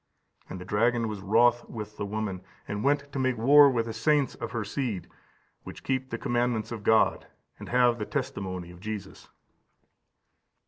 And the dragon was wroth with the woman, and went to make war with the saints of her seed, which keep the commandments of God, and have the testimony of Jesus."